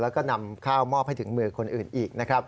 แล้วก็นำข้าวมอบให้ถึงมือคนอื่นอีกนะครับ